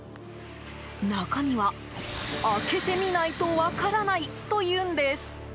中身は、開けてみないと分からないというんです。